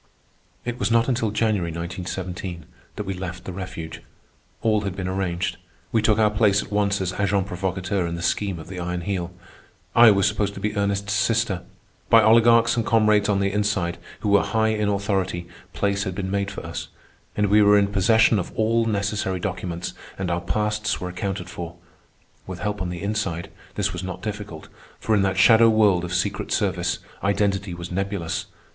It was not until January, 1917, that we left the refuge. All had been arranged. We took our place at once as agents provocateurs in the scheme of the Iron Heel. I was supposed to be Ernest's sister. By oligarchs and comrades on the inside who were high in authority, place had been made for us, we were in possession of all necessary documents, and our pasts were accounted for. With help on the inside, this was not difficult, for in that shadow world of secret service identity was nebulous.